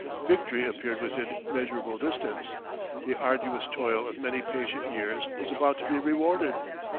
Victory appeared within measurable distance: the arduous toil of many patient years was about to be rewarded.